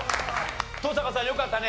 登坂さんよかったね。